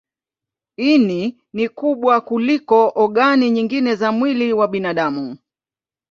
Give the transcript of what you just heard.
Ini ni kubwa kuliko ogani nyingine za mwili wa binadamu.